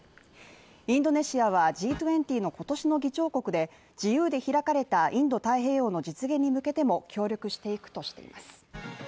インドネシアはＧ２０の今年の議長国で自由で開かれたインド太平洋の実現に向けても協力していくとしています。